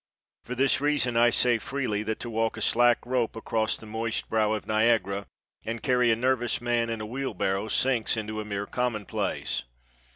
For this reason, I say freely that to walk a slack rope across the moist brow of Niagara and carry a nervous man in a wheelbarrow sinks into a mere commonplace.